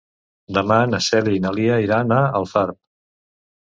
Demà na Cèlia i na Lia iran a Alfarb.